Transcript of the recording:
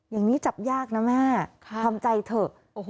อย่างนี้จับยากนะแม่ทำใจเถอะ